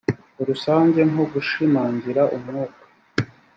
rusange nko gushimangira umwuka